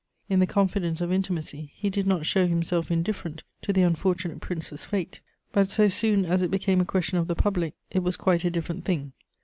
In the confidence of intimacy, he did not show himself indifferent to the unfortunate Prince's fate; but so soon as it became a question of the public, it was quite a different thing.